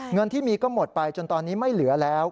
เงินที่มีก็หมดไปจนตอนนี้ไม่เหลือแล้ว